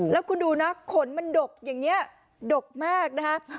แล้วคุณดูนะขนมันดกอย่างนี้ดกมากนะคะ